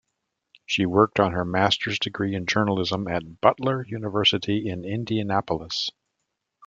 She worked on her Master's degree in Journalism at Butler University in Indianapolis.